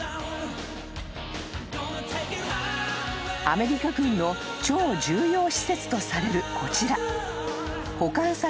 ［アメリカ軍の超重要施設とされるこちら］